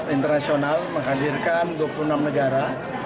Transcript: internasional menghadirkan dua puluh enam negara